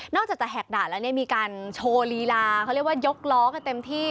จากจะแหกด่านแล้วเนี่ยมีการโชว์ลีลาเขาเรียกว่ายกล้อกันเต็มที่